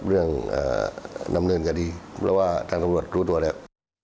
เรื่องนำเนื้อก็ดีเพราะว่าทางตังค์ถูกรู้ตัวแล้ว